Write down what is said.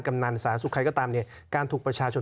ทำไมรัฐต้องเอาเงินภาษีประชาชน